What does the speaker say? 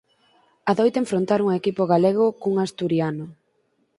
Adoita enfrontar un equipo galego cun asturiano.